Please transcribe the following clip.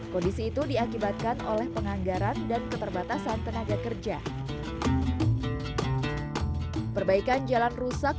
kondisi itu diakibatkan oleh penganggaran dan keterbatasan tenaga kerja perbaikan jalan rusak